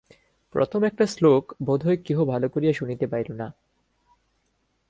প্রথম একটা শ্লোক বোধ হয় কেহ ভালো করিয়া শুনিতে পাইল না।